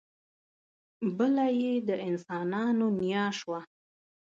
بله یې د انسانانو نیا شوه.